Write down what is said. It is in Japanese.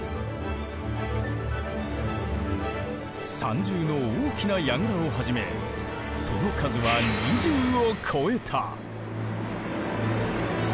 三重の大きな櫓をはじめその数は２０を超えた。